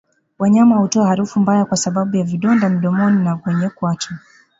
Wanyama hutoa harufu mbaya kwa sababu ya vidonda midomoni na kwenye kwato